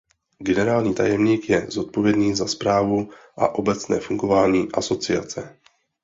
Generální tajemník je zodpovědný za správu a obecné fungování asociace.